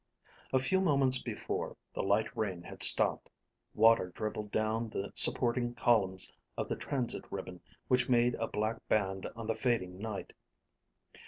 A few moments before, the light rain had stopped. Water dribbled down the supporting columns of the transit ribbon which made a black band on the fading night.